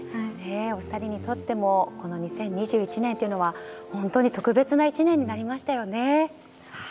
お二人にとってもこの２０２１年というのは特別な１年になりましたよね。